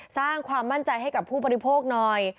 สร้างความมั่นใจให้กับผู้บริโภคหน่อย